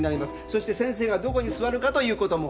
そして先生がどこに座るかということも。